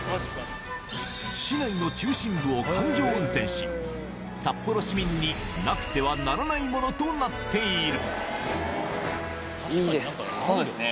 市内の中心部を環状運転し、札幌市民になくてはならないものいいですね。